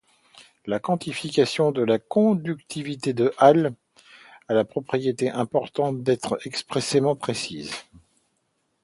La quantification de la conductivité de Hall a la propriété importante d'être excessivement précise.